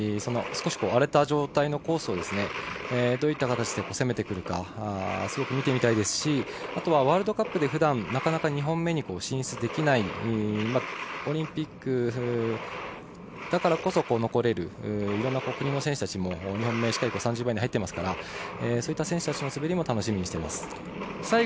少し荒れた状態のコースをどういった形で攻めてくるかすごく見てみたいですしあとはワールドカップでふだんなかなか２本目に進出できないオリンピックだからこそ残れるいろいろな国の選手たちも２本目３０番以内に入っていますからそういった選手たちの滑りも楽しみにしています。